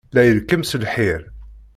La irekkem seg lḥir.